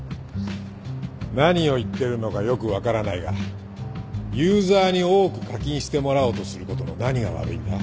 何を言ってるのかよく分からないがユーザーに多く課金してもらおうとすることの何が悪いんだ？